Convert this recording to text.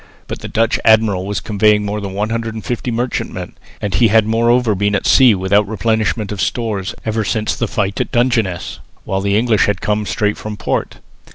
But the Dutch admiral was convoying more than 150 merchantmen and he had moreover been at sea without replenishment of stores ever since the fight at Dungeness, while the English had come straight from port.